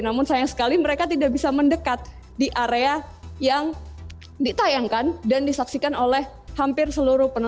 namun sayang sekali mereka tidak bisa mendekat di area yang ditayangkan dan disaksikan oleh hampir seluruh penonton